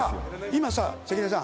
今さ関根さん。